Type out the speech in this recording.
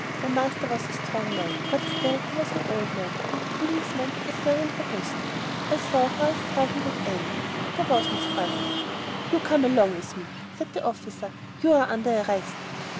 My master was a strong man, but still he was an old man, and the policeman was young and robust. I saw how a struggle would end. But there was no struggle. "You come along with me," said the officer, "you're under arrest."